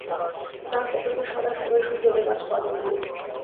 ফ্রান্সের প্রতি সদা সদয় সূর্যদেব আজ ক-দিন বিরূপ।